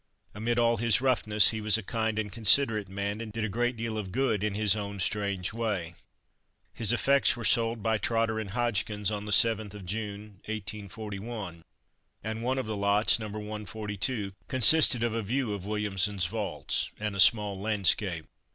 Amid all his roughness he was a kind and considerate man, and did a great deal of good in his own strange way. His effects were sold by Trotter and Hodgkins on the 7th June, 1841, and one of the lots, No. 142, consisted of a view of Williamson's vaults and a small landscape.